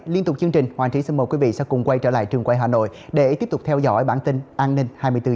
liên tục chương trình hoàng trí xin mời quý vị sẽ cùng quay trở lại trường quay hà nội để tiếp tục theo dõi bản tin an ninh hai mươi bốn h